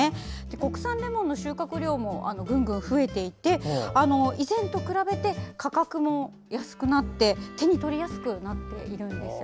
国産レモンの収穫量もぐんぐん増えていて以前と比べて価格も安くなって手に取りやすくなっているんです。